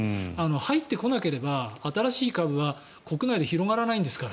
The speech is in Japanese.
入ってこなければ、新しい株は国内で広がらないんですから。